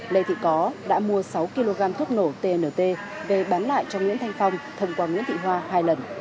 lê thị có đã mua sáu kg thuốc nổ tnt về bán lại cho nguyễn thanh phong thông qua nguyễn thị hoa hai lần